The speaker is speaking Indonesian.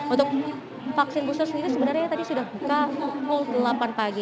untuk vaksin booster sendiri sebenarnya tadi sudah buka pukul delapan pagi